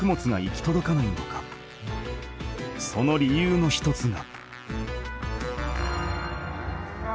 その理由の一つが。